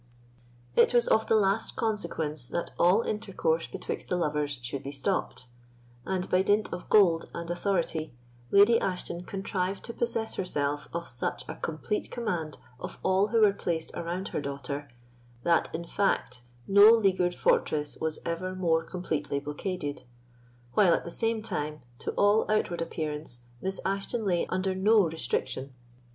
It was of the last consequence that all intercourse betwixt the lovers should be stopped, and, by dint of gold and authority, Lady Ashton contrived to possess herself of such a complete command of all who were placed around her daughter, that, if fact, no leaguered fortress was ever more completely blockaded; while, at the same time, to all outward appearance Miss Ashton lay under no restriction.